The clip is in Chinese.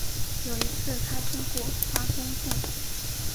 有一次他经过花东纵谷